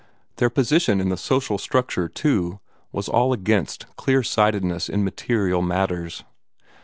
Their position in the social structure, too, was all against clear sightedness in material matters.